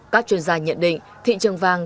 các chuyên gia nhận định thị trường vàng